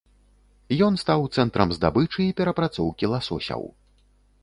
Ён стаў цэнтрам здабычы і перапрацоўкі ласосяў.